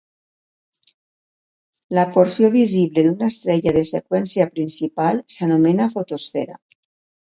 La porció visible d'una estrella de seqüència principal s'anomena fotosfera.